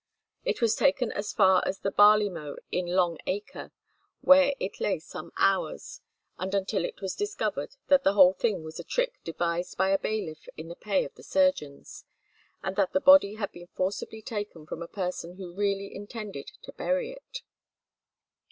It was taken as far as the Barley Mow in Long Acre, where it lay some hours, and until it was discovered that the whole thing was a trick devised by a bailiff in the pay of the surgeons, and that the body had been forcibly taken from a person who really intended to bury it.